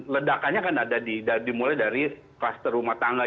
ledakannya kan ada dimulai dari kluster rumah tangga